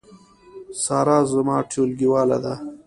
سارا زما ټولګیواله ده